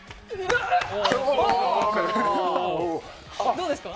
どうですか？